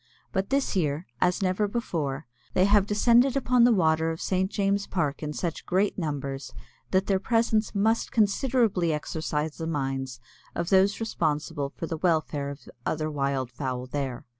But this year, as never before, they have descended upon the water of St. James Park in such great numbers that their presence must considerably exercise the minds of those responsible for the welfare of the other wild fowl there.